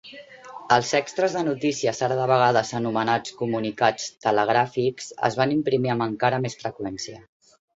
Els extres de "Notícies", ara de vegades anomenats comunicats telegràfics, es van imprimir amb encara més freqüència.